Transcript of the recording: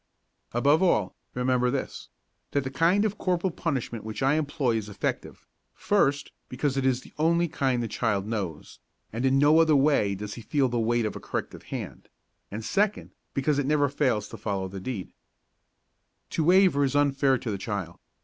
Above all, remember this: That the kind of corporal punishment which I employ is effective, first because it is the only kind the child knows, and in no other way does he feel the weight of a corrective hand; and second, because it never fails to follow the deed. To waver is unfair to the child.